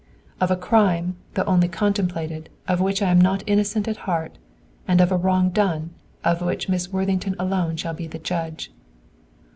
"Of a crime, though only contemplated, of which I am not innocent at heart, and of a wrong done, of which Miss Worthington alone shall be the judge.